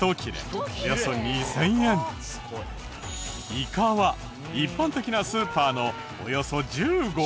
イカは一般的なスーパーのおよそ１５倍。